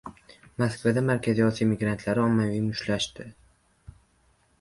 Moskvada Markaziy Osiyo migrantlari ommaviy mushtlashdi